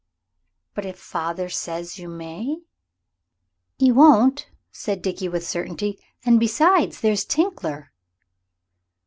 "But if father says you may?" "'E won't," said Dickie, with certainty, "an' besides, there's Tinkler."